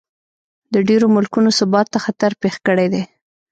د ډېرو ملکونو ثبات ته خطر پېښ کړی دی.